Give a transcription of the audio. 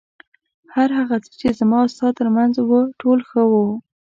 هر هغه څه چې زما او ستا تر منځ و ټول ښه وو.